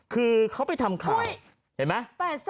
คือเขาไปทำข่าวเห็นไหม